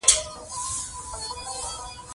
هغې خپله چادري پورې وهله او د سيند خواته لاړه.